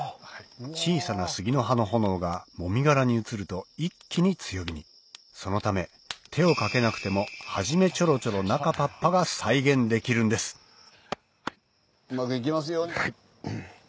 小さな杉の葉の炎がもみ殻に移ると一気に強火にそのため手をかけなくてもが再現できるんですうまくいきますように！